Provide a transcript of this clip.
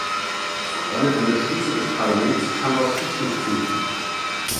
Frauen an der Spitze des Parlaments kann auch ich nicht finden.